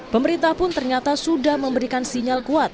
pemerintah pun ternyata sudah memberikan sinyal kuat